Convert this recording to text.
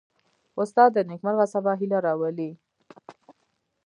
استاد د نیکمرغه سبا هیله راولي.